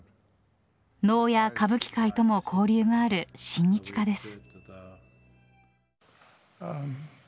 能や歌舞伎界とも交流がある親日家です。